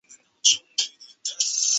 喝咖啡当早餐